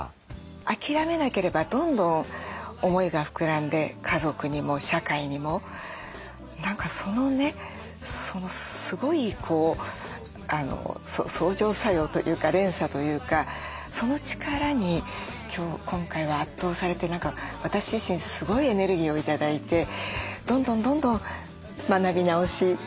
諦めなければどんどん思いが膨らんで家族にも社会にも何かそのねすごい相乗作用というか連鎖というかその力に今回は圧倒されて私自身すごいエネルギーを頂いてどんどんどんどん学び直していきたいなと。